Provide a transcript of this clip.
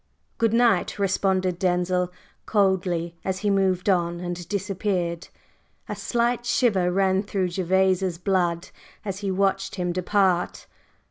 "Good night!" responded Denzil, coldly, as he moved on and disappeared. A slight shiver ran through Gervase's blood as he watched him depart.